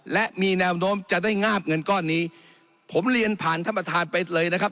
และมีแนวโน้มจะได้งาบเงินก้อนนี้ผมเรียนผ่านท่านประธานไปเลยนะครับ